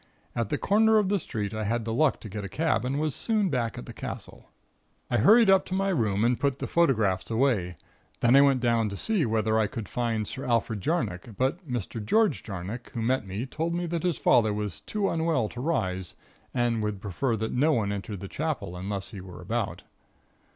At the corner of the street I had the luck to get a cab and was soon back at the castle. "I hurried up to my room and put the photographs away; then I went down to see whether I could find Sir Alfred Jarnock; but Mr. George Jarnock, who met me, told me that his father was too unwell to rise and would prefer that no one entered the Chapel unless he were about.